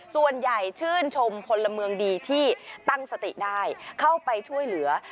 ส่วนใหญ่ชื่นชมพลเมืองดีที่ตั้งสติได้เข้าไปช่วยเหลือ